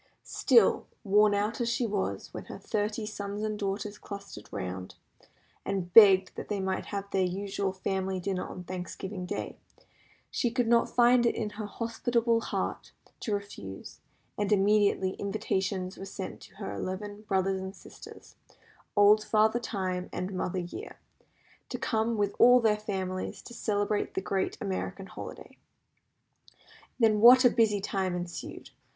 Still, worn out as she was, when her thirty sons and daughters clustered round, and begged that they might have their usual family dinner on Thanksgiving day, she could not find it in her hospitable heart to refuse, and immediately invitations were sent to her eleven brothers and sisters, old Father Time, and Mother Year, to come with all their families and celebrate the great American holiday. Then what a busy time ensued!